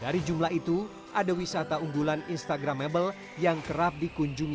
dari jumlah itu ada wisata unggulan instagramable yang kerap dikunjungi